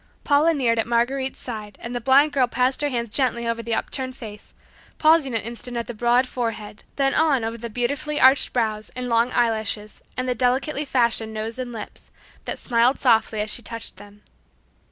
Paula kneeled at Marguerite's side and the blind girl passed her hands gently over the upturned face, pausing an instant at the broad forehead, then on over the beautiful arched brows and long eyelashes and the delicately fashioned nose and lips, that smiled softly as she touched them.